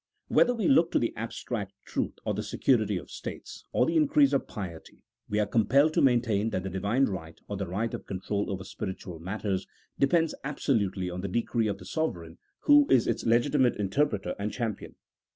Whether we look to the abstract truth, or the security of states, or the increase of piety, we are compelled to maintain that the Divine right, or the right of control over spiritual matters, depends absolutely on the decree of the sovereign, who is its legitimate interpreter and champion.